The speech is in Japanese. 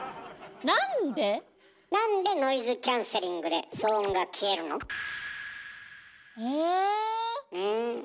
なんで⁉なんでノイズキャンセリングで騒音が消えるの？え？え？